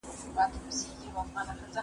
موږ د خپلو هیلو یوه ټولګه یو.